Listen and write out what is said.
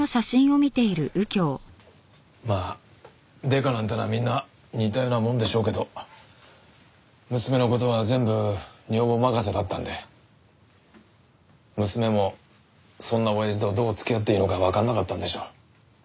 まあデカなんてのはみんな似たようなもんでしょうけど娘の事は全部女房任せだったんで娘もそんな親父とどう付き合っていいのかわかんなかったんでしょう。